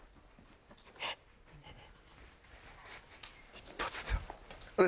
一発で。